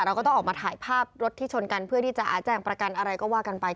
เราก็ต้องออกมาถ่ายภาพรถที่ชนกันเพื่อที่จะแจ้งประกันอะไรก็ว่ากันไป